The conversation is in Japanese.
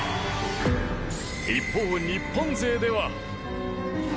一方日本勢では。